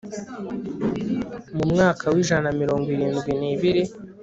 mu mwaka w'ijana na mirongo irindwi n'ibiri